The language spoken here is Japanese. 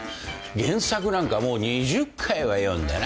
原作なんかもう２０回は読んだな。